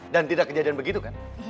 dan tidak kejadian begitu kan